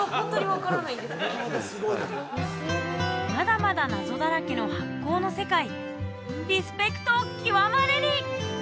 そうですはいまだまだ謎だらけの発酵の世界リスペクト極まれり！